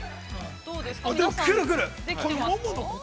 ◆どうですか